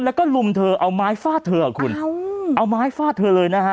แล้วก็ลุมเธอเอาไม้ฟาดเธอคุณเอาไม้ฟาดเธอเลยนะฮะ